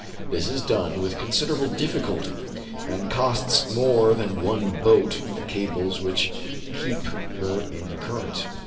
This is done with considerable difficulty, and costs more than one boat the cables which keep KIN'FO TRAVELS AGAIN, 183 her in the current.